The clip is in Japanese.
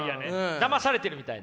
だまされてるみたいな？